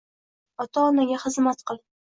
Ota-onaga xizmat qil.